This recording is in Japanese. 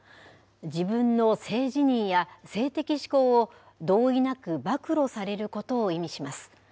自分の性自認や性的指向を同意なく暴露されることを意味します。